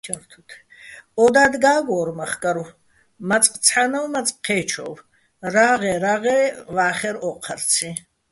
ო დად გა́გვო́რ მახკარვ, მაწყ ცჰ̦ანავ, მაწყ ჴე́ჩოვ, რაღე-რაღე ვა́ხერ ო́ჴარციჼ.